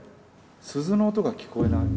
鈴の音が聞こえない。